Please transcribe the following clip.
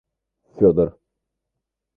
Федор